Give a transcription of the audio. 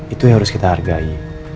itu yang harus kita hargai